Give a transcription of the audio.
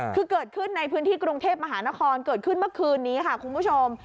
คือเกิดขึ้นในพื้นที่กรุงเทพมหานครเกิดขึ้นเมื่อคืนนี้ค่ะคุณผู้ชม